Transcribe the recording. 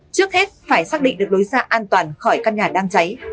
trước hết phải xác định được lối xa an toàn khỏi căn nhà đang cháy